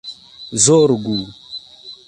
zorgu